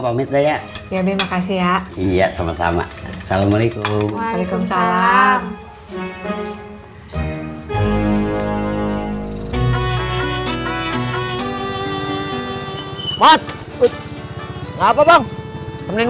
pamit ya ya biar makasih ya iya sama sama assalamualaikum waalaikumsalam